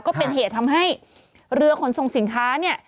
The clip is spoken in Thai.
ก็เป็นเหตุทำให้เรือขนส่งสินค้าเนี่ย